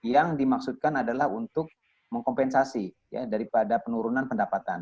yang dimaksudkan adalah untuk mengkompensasi daripada penurunan pendapatan